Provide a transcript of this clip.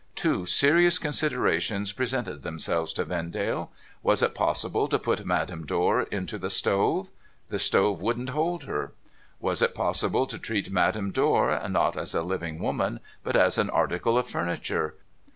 Two serious considerations pre sented themselves to Vendale. Was it possible to put Madame Dor into the stove? The stove wouldn't hold her. Was it possible to treat Madame Dor, not as a living woman, but as an article of furniture?